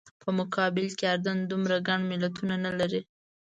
په مقابل کې اردن دومره ګڼ ملتونه نه لري.